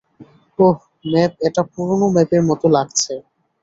ওহ, map এটা পুরানো ম্যাপের মতো লাগছে।